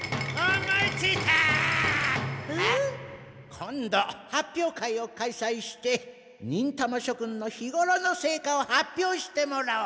今度発表会を開催して忍たましょくんの日ごろの成果を発表してもらおう。